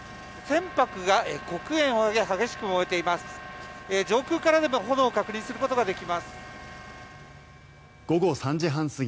船舶が黒煙を上げ激しく燃えています。